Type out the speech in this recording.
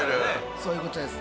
そういうことです。